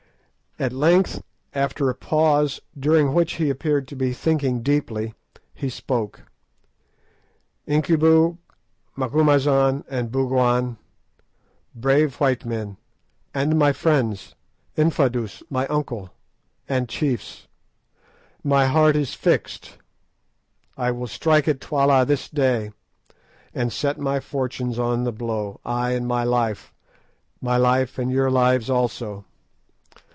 At length, after a pause, during which he appeared to be thinking deeply, he spoke. "Incubu, Macumazahn, and Bougwan, brave white men, and my friends; Infadoos, my uncle, and chiefs; my heart is fixed. I will strike at Twala this day, and set my fortunes on the blow, ay, and my life—my life and your lives also.